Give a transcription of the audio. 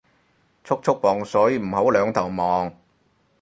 速速磅水唔好兩頭望